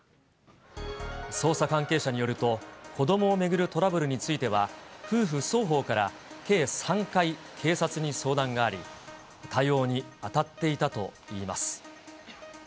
捜査関係者によると、子どもを巡るトラブルについては、夫婦双方から、計３回、警察に相談があり、対応に当たっていたといいます。